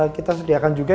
kita sediakan juga